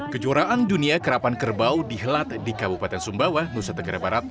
kejuaraan dunia kerapan kerbau dihelat di kabupaten sumbawa nusa tenggara barat